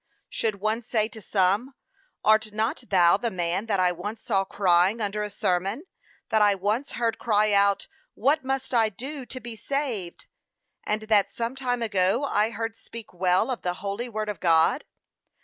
Should one say to some, Art not thou the man that I once saw crying under a sermon, that I once, heard cry out, What must I do to be saved? and, that some time ago I heard speak well of the holy word of God?